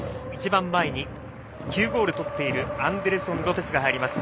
１番前に９ゴール取っているアンデルソン・ロペスが入ります。